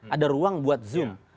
ada ruang buat zoom